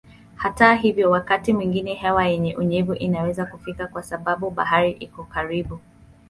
Hata hivyo wakati mwingine hewa yenye unyevu inaweza kufika kwa sababu bahari iko karibu.